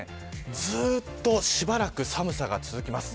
ずっとしばらく寒さが続きます。